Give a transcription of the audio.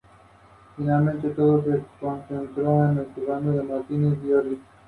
Cooper originalmente solo consideró el caso de un par aislado formado en un metal.